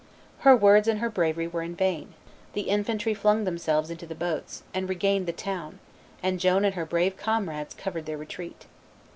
Her words and her bravery were in vain; the infantry flung themselves into the boats, and regained the town, and Joan and her brave comrades covered their retreat.